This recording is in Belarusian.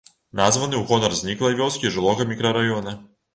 Названы ў гонар зніклай вёскі і жылога мікрараёна.